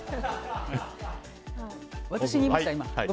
私に言いました？